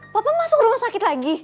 papa masuk rumah sakit lagi